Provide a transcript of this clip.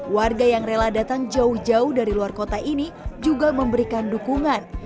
warga yang rela datang jauh jauh dari luar kota ini juga memberikan dukungan